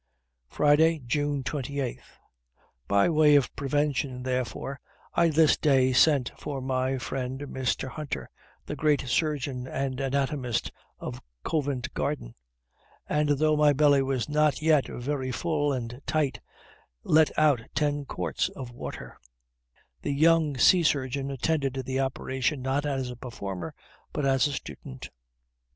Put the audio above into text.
Friday, June 28. By way of prevention, therefore, I this day sent for my friend, Mr. Hunter, the great surgeon and anatomist of Covent garden; and, though my belly was not yet very full and tight, let out ten quarts of water; the young sea surgeon attended the operation, not as a performer, but as a student.